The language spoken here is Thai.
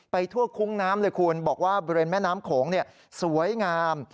ทั่วคุ้งน้ำเลยคุณบอกว่าบริเวณแม่น้ำโขงสวยงาม